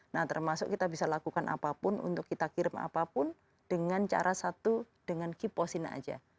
nah termasuk kita bisa lakukan apapun untuk kita kirim apapun dengan cara satu dengan kiposin aja